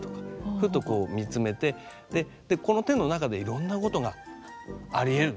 ふっとこう見つめてこの手の中でいろんなことがありえる。